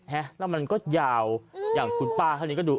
ฮะแล้วมันก็ยาวอย่างคุณป้าท่านนี้ก็ดู